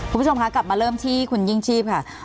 คุณผู้ชมคะกลับมาเริ่มที่คุณยิ่งชีพค่ะ